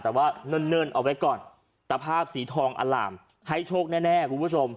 แต่ว่าเนิ่นเอาไว้ก่อนตะภาพสีทองอล่ามให้โชคแน่คุณผู้ชม